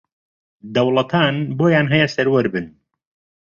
دەوڵەتان بۆیان ھەیە سەروەر بن